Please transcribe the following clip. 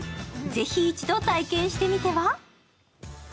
ぜひ一度体験してみては？